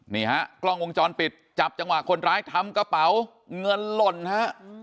นี่ฮะกล้องวงจรปิดจับจังหวะคนร้ายทำกระเป๋าเงินหล่นฮะ